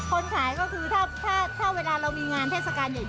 คนขายก็คือถ้าเวลาเรามีงานเทศกาลใหญ่